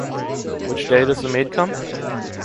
Which day does the maid come?